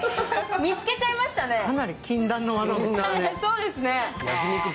見つけちゃいましたね。